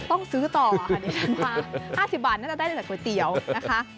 ต้องซื้อต่อค่ะดิฉันว่า๕๐บาทน่าจะได้จากก๋วยเตี๋ยวนะคะ